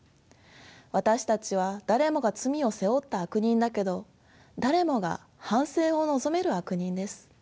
私たちは誰もが罪を背負った悪人だけど誰もが反省を望める悪人です。